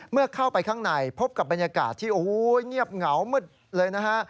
เมื่อเข้าไปข้างในพบกับบรรยากาศที่โอ้โหเงียบเหงามืดเลยนะฮะ